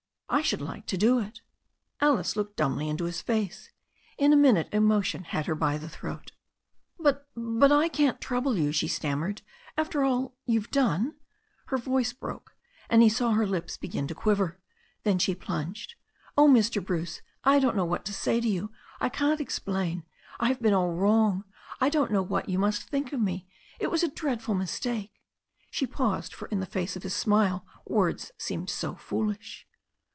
I should like to do it." Alice looked dumbly into his face, and in a minute emo* tion had her by the throat THE STORY OF A NEW ZEALAND RIOTER 151 "But I can't trouble you," she stammered, "after all you've done ^" Her voice broke and he saw her lips begin to quiver. Then she pltmged. "Oh, Mr. Bruce, I don't know what to say to you, I can't explain, I have been all wrong, I don't know what you must think of me — it was a dreadful mistake." She paused, for in the face of his smile words seemed so foolish.